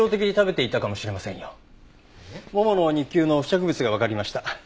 ももの肉球の付着物がわかりました。